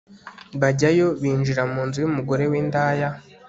bajyayo binjira mu nzu y'umugore w'indaya